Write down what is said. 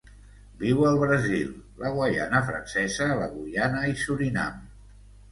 Viu al Brasil, la Guaiana Francesa, la Guyana i Surinam.